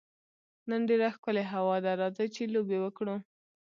نن ډېره ښکلې هوا ده، راځئ چي لوبي وکړو.